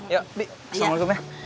ya bik assalamu'alaikum ya